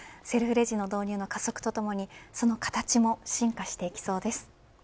セルフレジの導入の加速とともにその形も進化していきそうです。